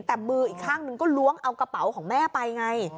แต่มืออีกข้างหนึ่งก็ล้วงเอากระเป๋าของแม่ไปไง